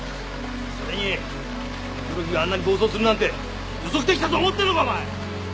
それに黒木があんなに暴走するなんて予測できたと思ってるのかお前！